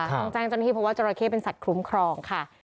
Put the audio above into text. ต้องแจ้งเจ้าหน้าที่เพราะว่าจราเข้เป็นสัตว์คุ้มครองค่ะ